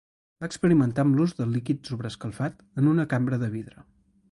Va experimentar amb l'ús de líquid sobreescalfat en una cambra de vidre.